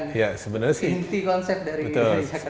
inti konsep dari jakarta smart city